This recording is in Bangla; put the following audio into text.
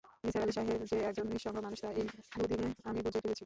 নিসার আলি সাহেব যে একজন নিঃসঙ্গ মানুষ তা এই দুদিনে আমি বুঝে ফেলেছি।